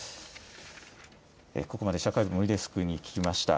ここまで社会部のデスクに聞きました。